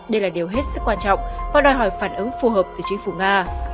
đây là điều hết sức quan trọng và đòi hỏi phản ứng phù hợp từ chính phủ nga